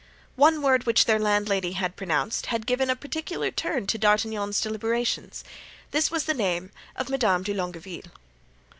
One word which their landlady had pronounced had given a particular turn to D'Artagnan's deliberations; this was the name of Madame de Longueville.